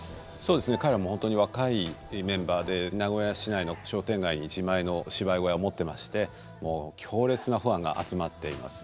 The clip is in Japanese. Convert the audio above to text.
彼らはホントに若いメンバーで名古屋市内の商店街に自前の芝居小屋持ってましてもう強烈なファンが集まっています。